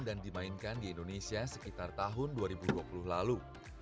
dan dimainkan di indonesia sekitar tahun dua ribu dua puluh lalu